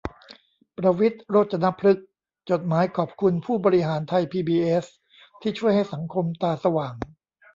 ประวิตร โรจนพฤกษ์ จดหมายขอบคุณผู้บริหารไทยพีบีเอสที่ช่วยให้สังคมตาสว่าง